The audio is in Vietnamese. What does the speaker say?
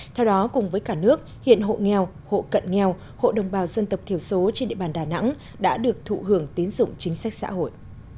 theo đó cùng với cả nước hiện hộ nghèo hộ cận nghèo hộ đồng bào dân tộc thiểu số trên địa bàn đà nẵng đã được thụ hưởng tín dụng chính sách xã hội